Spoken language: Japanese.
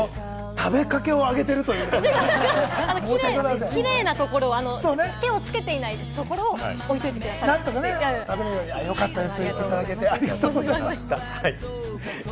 食べかけをあげているという手をつけていないところを置いておいて下さるんです。